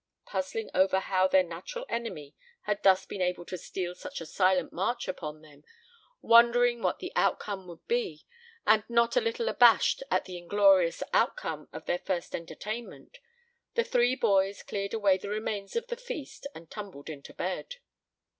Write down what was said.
Puzzling over how their natural enemy had thus been able to steal such a silent march upon them, wondering what the outcome would be, and not a little abashed at the inglorious outcome of their first entertainment, the three boys cleared away the remains of the feast and tumbled into bed.